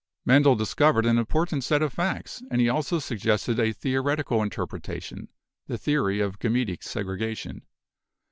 Mendel discovered an important set of facts, and he also suggested a theoretical interpretation — the theory of gametic segregation.